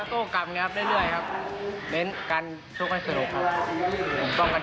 ข้อช่วยร่างกายให้บุญหลายทำงานที่ถึงที่สดครับ